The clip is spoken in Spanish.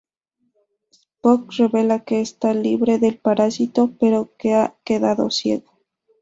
Spock revela que está libre del parásito pero que ha quedado ciego.